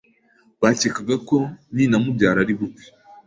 bakekaga ko ninamubyara ari bupfe,